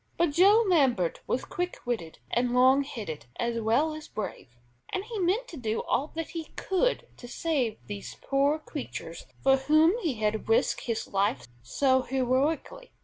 But Joe Lambert was quick witted and "long headed," as well as brave, and he meant to do all that he could to save these poor creatures for whom he had risked his life so heroically.